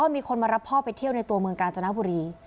มีคนมารับพ่อไปเที่ยวในตัวเมืองกาญจนบุรี